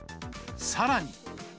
さらに。